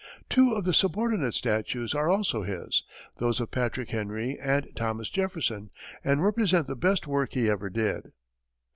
Two of the subordinate statues are also his those of Patrick Henry and Thomas Jefferson and represent the best work he ever did.